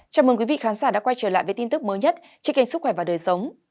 chào mừng quý vị khán giả đã quay trở lại với tin tức mới nhất trên kênh sức khỏe và đời sống